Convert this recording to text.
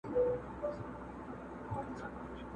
څرنګه به ستر خالق ما د بل په تور نیسي!